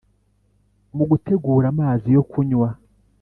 mu gutegura amazi yo kunywa